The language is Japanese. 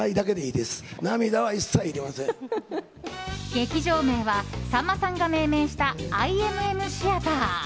劇場名はさんまさんが命名したＩＭＭＴＨＥＡＴＥＲ。